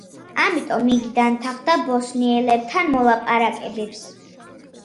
ამიტომ იგი დათანხმდა ბოსნიელებთან მოლაპარაკებებს.